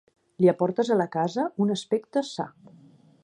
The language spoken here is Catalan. Li aportes a la casa un aspecte sa.